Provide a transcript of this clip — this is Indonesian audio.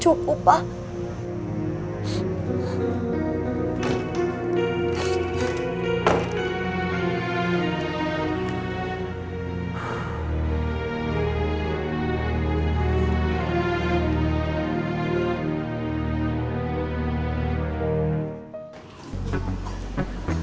apa yang tapi pelnahacker